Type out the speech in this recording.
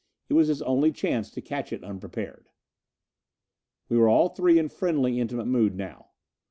It was his only chance to catch it unprepared. We were all three in friendly, intimate mood now.